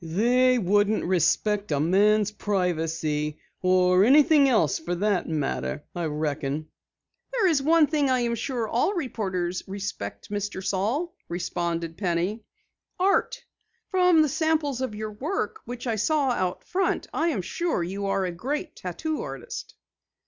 "They wouldn't respect a man's privacy or anything else for that matter, I reckon." "There is one thing I am sure all reporters respect, Mr. Saal," responded Penny. "Art. From the samples of your work which I saw out front I am sure you are a great tattoo artist."